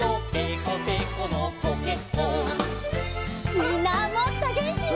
みんなもっとげんきに。